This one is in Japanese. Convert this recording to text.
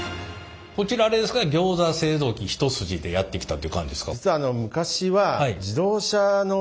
こちらあれですかギョーザ製造機一筋でやってきたという感じですか？